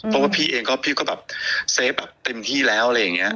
เพราะว่าพี่ด้วยก็เซฟเต็มที่แล้ว